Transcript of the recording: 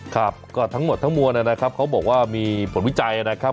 ครับก็ทั้งหมดทั้งมวลนะครับเขาบอกว่ามีผลวิจัยนะครับ